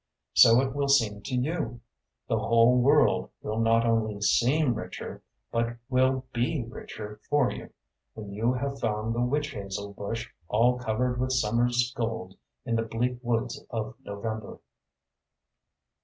So it will seem to you the whole world will not only seem richer, but will be richer for you when you have found the witch hazel bush all covered with summer’s gold in the bleak woods of November.